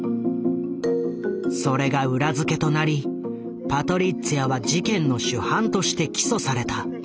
それが裏付けとなりパトリッツィアは事件の主犯として起訴された。